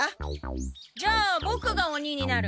じゃあボクがおにになる。